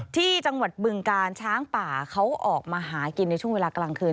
ที่จังหวัดบึงกาลช้างป่าเขาออกมาหากินในช่วงเวลากลางคืน